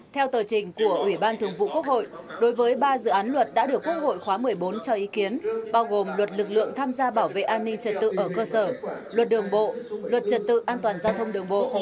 theo tờ trình của ủy ban thường vụ quốc hội đối với ba dự án luật đã được quốc hội khóa một mươi bốn cho ý kiến bao gồm luật lực lượng tham gia bảo vệ an ninh trật tự ở cơ sở luật đường bộ luật trật tự an toàn giao thông đường bộ